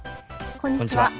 こんにちは。